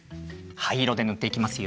はいいろでぬっていきますよ。